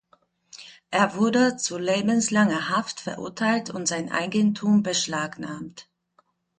Er wurde zu lebenslanger Haft verurteilt und sein Eigentum beschlagnahmt.